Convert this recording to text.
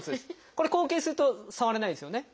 これ後傾すると触れないですよね。